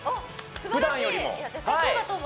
ふだんよりも！